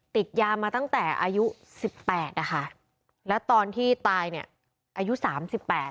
ติดยามาตั้งแต่อายุสิบแปดนะคะแล้วตอนที่ตายเนี่ยอายุสามสิบแปด